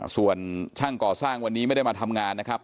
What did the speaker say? ส่วนช่างก่อสร้างวันนี้ไม่ได้มาทำงานนะครับ